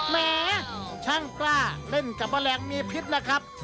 แหมช่างกล้าเล่นกับแมลงมีพิษนะครับ